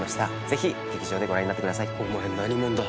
ぜひ劇場でご覧になってください。